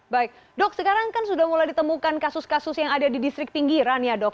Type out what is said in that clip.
baik dok sekarang kan sudah mulai ditemukan kasus kasus yang ada di distrik pinggiran ya dok